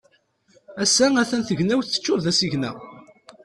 Ass-a a-t-an tagnawt teččur d asigna.